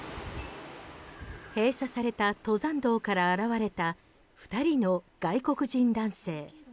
閉鎖された登山道から現れた２人の外国人男性。